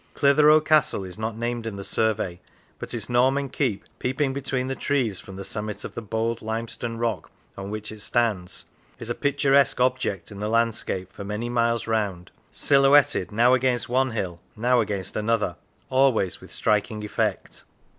Clitheroe Castle is not named in the survey, but its Norman keep, peeping between the trees from the summit of the bold lime stone rock on which it stands, is a picturesque object in the landscape for many miles round, silhouetted now against one hill, now against another, always with striking effect.